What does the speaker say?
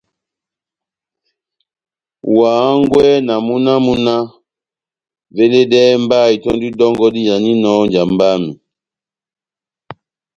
Wa hángwɛ na múna wamu náh :« veledɛhɛ mba itɔ́ndi dɔngɔ dijaninɔ ó njamba yami »